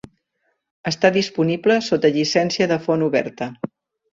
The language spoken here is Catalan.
Està disponible sota llicència de font oberta.